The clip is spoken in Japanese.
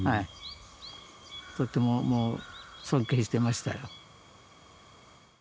とっても尊敬してましたよ。